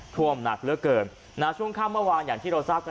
ท่วมหนักเหลือเกินช่วงค่ำเมื่อวานอย่างที่เราทราบกัน